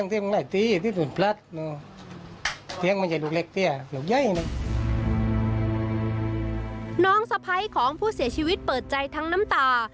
น้องสะพ้ายของผู้เสียชีวิตเปิดใจทั้งน้ำตา